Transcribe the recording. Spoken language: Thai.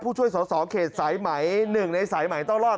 ผู้ช่วยสอบเขตสายไหม๑ในสายไหมต้อนรอด